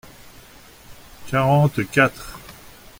Quarante-quatre.